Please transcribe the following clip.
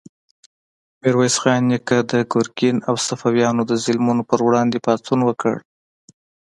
میرویس خان نیکه د ګرګین او صفویانو د ظلمونو په وړاندې پاڅون وکړ.